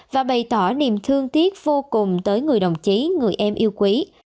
và bày tỏ niềm thương tiếc vô cùng tới người đồng chí người em yêu quý